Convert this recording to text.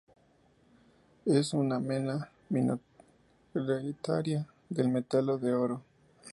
Es una mena minoritaria del metal de oro.